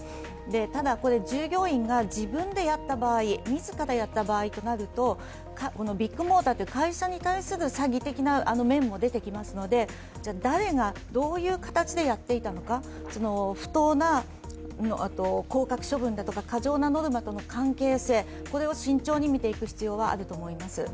ただ、従業員が自分でやった場合、自らやったとなるとこのビッグモーターという会社に対する詐欺的な面も出てきますので誰がどういう形でやっていたのか不当な降格処分だとか、過剰なノルマとの関係性、これを慎重にみていく必要があると思います。